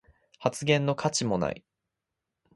発言の価値もない